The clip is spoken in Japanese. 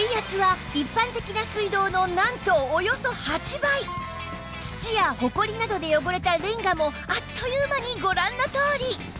なのに土やホコリなどで汚れたレンガもあっという間にご覧のとおり！